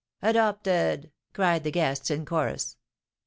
"Adopted!" cried the guests in chorus.